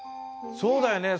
そうだよね。